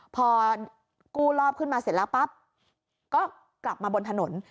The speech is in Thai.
พอกู้รอบขึ้นมาเสร็จแล้วปั๊บก็กลับมาบนถนน